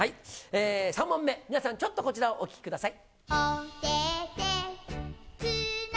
３問目、皆さん、ちょっとこちらをお聴きください。